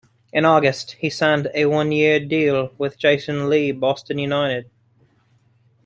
In August, he signed a one-year deal with Jason Lee's Boston United.